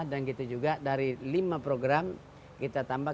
dan gitu juga dari lima program kita tambah